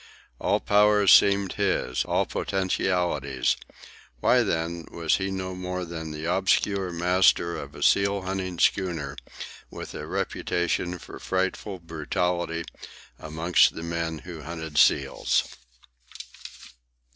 All powers seemed his, all potentialities—why, then, was he no more than the obscure master of a seal hunting schooner with a reputation for frightful brutality amongst the men who hunted seals?